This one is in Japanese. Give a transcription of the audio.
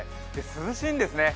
涼しいんですね。